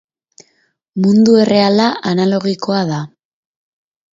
Mundu erreala analogikoa da.